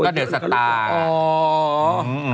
ก็เดินสตาร์